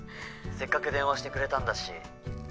せっかく電話してくれたんだし。